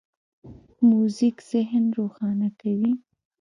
موزیک ذهن روښانه کوي.